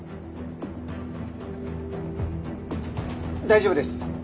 大丈夫です。